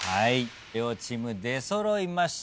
両チーム出揃いました。